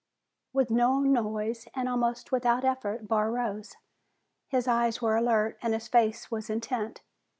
With no noise, and almost without effort, Barr rose. His eyes were alert and his face was intent.